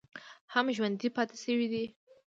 هم ژوندی پاتې شوی دی